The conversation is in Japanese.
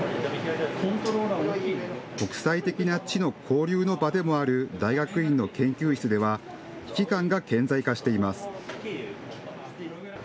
国際的な知の交流の場でもある大学院の研究室では危機感が顕在化しています。